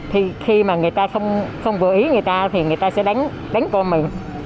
thì khi mà người ta không vừa ý người ta thì người ta sẽ đánh con mình